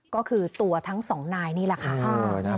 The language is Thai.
ก็คือตัวทั้งสองนายนี่แหละค่ะ